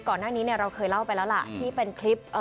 ก่อนหน้านี้เราเคยเล่าไปแล้วล่ะที่เป็นคลิป